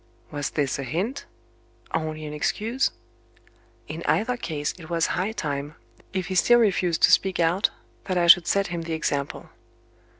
Was this a hint? or only an excuse? In either case it was high time, if he still refused to speak out, that I should set him the example.